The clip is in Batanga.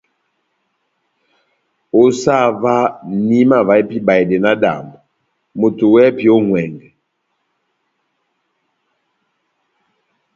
Ó sah óvah, nahimavaha pɛhɛ ibahedɛ náhádambɔ, moto wɛ́hɛ́pi ó ŋʼwɛngɛ !